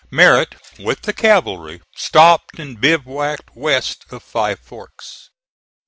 Merritt, with the cavalry, stopped and bivouacked west of Five Forks.